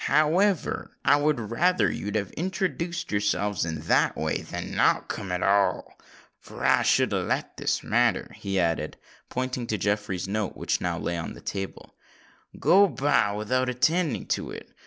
"However, I would rather you'd have introduced yourselves in that way, than not come at all; for I should have let this matter," he added, pointing to Jeffreys' note, which now lay on the table, "go by without attending to it.